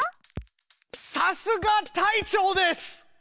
さすが隊長です！